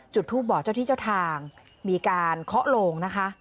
จุดทูปบอกเจ้าที่เจ้าทางมีการเคาะโลงนะคะ